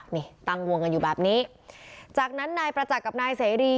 นี่ตั้งวงกันอยู่แบบนี้จากนั้นนายประจักษ์กับนายเสรี